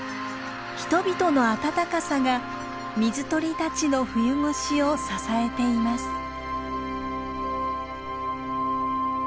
人々の温かさが水鳥たちの冬越しを支えています。